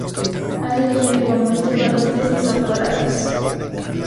Ha dirigido igualmente varias tesis doctorales.